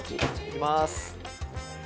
いきます。